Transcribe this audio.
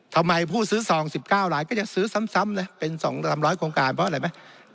ผู้ซื้อซอง๑๙ลายก็จะซื้อซ้ำเลยเป็น๒๓๐๐โครงการเพราะอะไรไหม